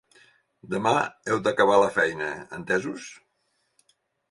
Demà heu d'acabar la feina, entesos?